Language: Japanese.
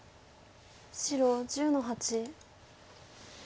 白１０の八。